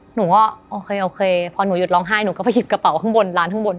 หนูก็โอเคโอเคพอหนูหยุดร้องไห้หนูก็ไปหยิบกระเป๋าข้างบนร้านข้างบน